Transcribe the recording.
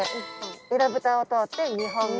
えらぶたを通って２本目。